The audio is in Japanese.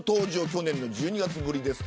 去年の１２月ぶりです。